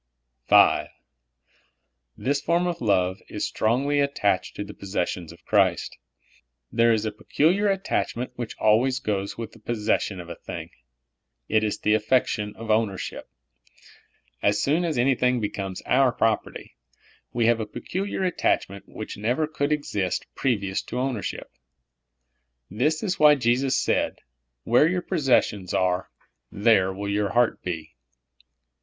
V. This form of love is stroiigly attached to the possessions of Christ. There is a peculiar attachment w^hich always goes with the possession of a thing. It is the affection of ownership. As soon as anything becomes our propert}^ we have a peculiar attachment which never could exist previous to owaiership. This is why Jesus .said, " Where 3'our po.ssessions are, there will your heart be."